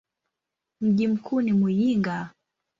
Mji mkuu ni Muyinga.